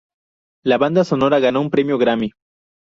La banda sonora ganó un premio Grammy.